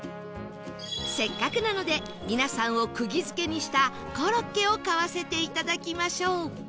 せっかくなので皆さんを釘付けにしたコロッケを買わせていただきましょう